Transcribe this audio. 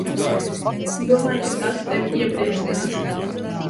Domāju, ka tas tevi iepriecinās.